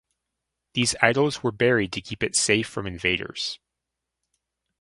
These idols were buried to keep it safe from invaders.